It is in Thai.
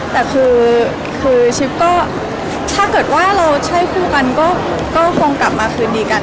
แต่คือชิปก็ถ้าเกิดว่าเราใช่คู่กันก็คงกลับมาคืนดีกัน